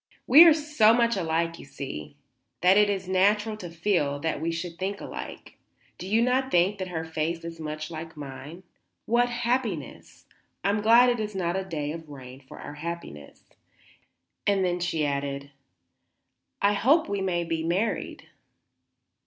"We are so much alike, you see, that it is natural to feel sure that we should think alike. Do you not think that her face is much like mine? What happiness! I am glad it is not a day of rain for our happiness." And she then added, "I hope we may be married."